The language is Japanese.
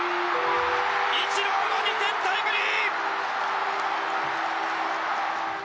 イチローの２点タイムリー！